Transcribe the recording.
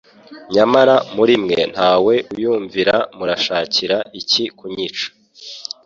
Nyamara muri mwe ntawe uyumvira. Murashakira iki kunyica?»